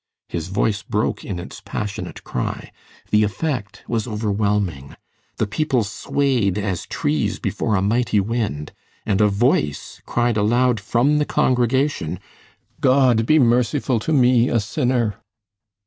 His voice broke in its passionate cry. The effect was overwhelming. The people swayed as trees before a mighty wind, and a voice cried aloud from the congregation: "God be merciful to me, a sinner!"